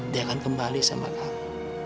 dia akan kembali sama kami